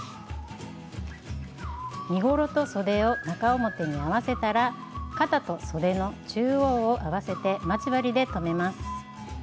身ごろとそでを中表に合わせたら肩とそでの中央を合わせて待ち針で留めます。